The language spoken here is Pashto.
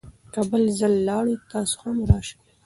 که بل ځل لاړو، تاسې هم راشئ.